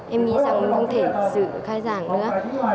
em nghĩ rằng không thể dự khai giảng nữa